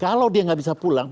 kalau dia tidak bisa pulangkan